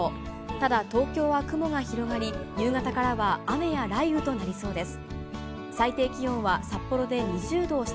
ただ東京は雲が広がり、夕方からは雨や雷雨となりそうです。